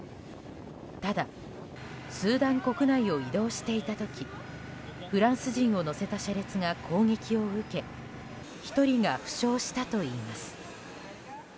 ただ、スーダン国内を移動していた時フランス人を乗せた車列が攻撃を受け１人が負傷したといいます。